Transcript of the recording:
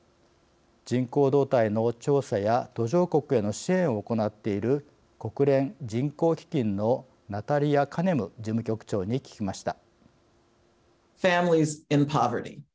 人口動態の調査や途上国への支援を行っている国連人口基金のナタリア・カネム事務局長に聞きました。